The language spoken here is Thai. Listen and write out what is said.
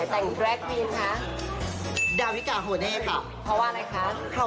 เมื่อหลังนี้คือเมื่อหลังนี้คือจะตบกันมั้ยคะ